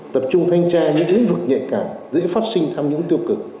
tập trung thanh tra những lĩnh vực nhạy cảm dễ phát sinh tham nhũng tiêu cực